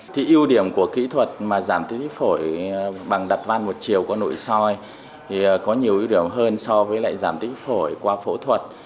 thì ưu điểm của kỹ thuật mà giảm tích phổi bằng đặt van một chiều qua nội soi thì có nhiều ưu điểm hơn so với lại giảm tích phổi qua phẫu thuật